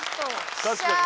確かに。